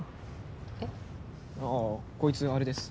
ああ、こいつあれです。